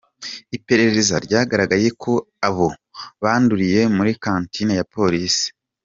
Iperereza ryagaragaje ko abo banduriye muri kantine ya Polisi.